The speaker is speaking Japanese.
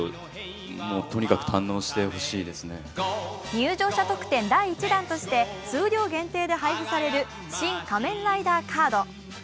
入場者特典第１弾として数量限定で配布される「シン・仮面ライダー」カード。